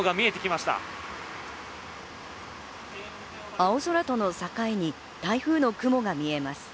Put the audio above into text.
青空との境に台風の雲が見えます。